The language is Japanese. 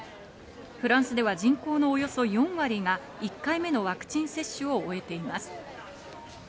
フランスでは人口のおよそ４割が１回目のワクチン接種を終えています。